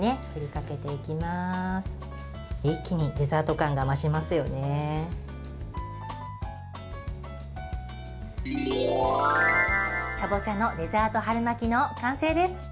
かぼちゃのデザート春巻きの完成です。